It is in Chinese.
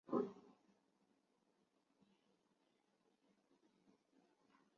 图勒空军基地是一个为于格陵兰岛北部卡苏伊特萨普自治市的美国无建制领地飞地。